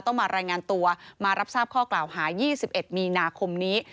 มารายงานตัวมารับทราบข้อกล่าวหา๒๑มีนาคมนี้